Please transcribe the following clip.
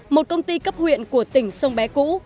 một công ty cấp huyện của tỉnh sông bé cũ